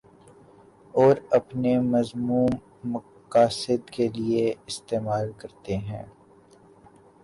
اور اپنے مذموم مقاصد کے لیے استعمال کرتے ہیں